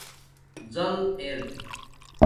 زَل اِر